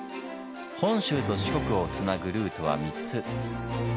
本州と四国をつなぐルートは３つ。